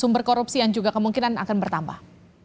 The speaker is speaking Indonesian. sumber korupsi yang juga kemungkinan akan bertambah